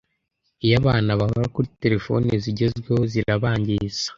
Iyo abana bahora kuri terefone zigezweho zirabangiza